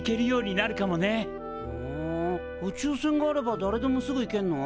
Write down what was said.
ふん宇宙船があればだれでもすぐ行けるの？